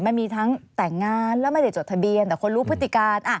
มันมีทั้งแต่งงานแล้วไม่ได้จดทะเบียนแต่คนรู้พฤติการ